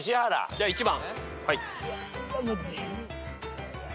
じゃ１番。